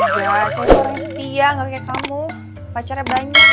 gak saya orang setia gak kayak kamu pacarnya banyak